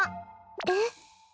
えっ？